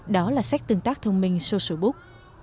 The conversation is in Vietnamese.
đó là sách tương tác thông minh social book